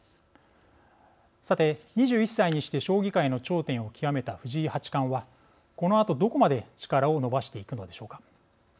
さて２１歳にして将棋界の頂点を極めた藤井八冠はこのあとどこまで力を伸ばしていくのでしょうか。